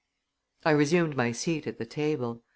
I resumed my seat at the table.